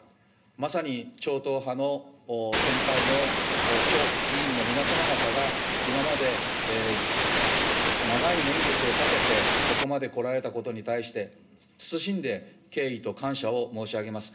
まさに超党派の先輩の諸議員の皆様方が、今まで長い年月をかけて、ここまでこられたことに対して、謹んで敬意と感謝を申し上げます。